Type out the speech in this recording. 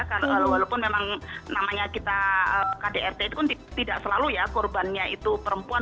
kalau walaupun memang namanya kita kdrt itu kan tidak selalu ya korbannya itu perempuan